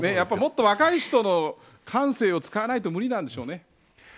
もっと若い人の感性を使わないと無理なんでしょうね。